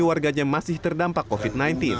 warganya masih terdampak covid sembilan belas